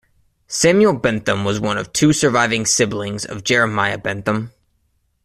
Samuel Bentham was one of two surviving siblings of Jeremiah Bentham.